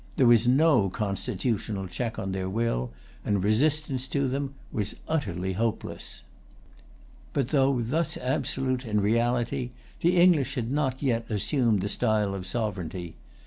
There was no constitutional check on their will, and resistance to them was utterly hopeless. But, though thus absolute in reality, the English had not yet assumed the style of sovereignty.